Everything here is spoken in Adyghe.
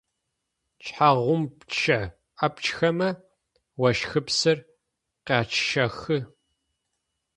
Шъхьангъупчъэ апчхэмэ ощхыпсыр къячъэхы.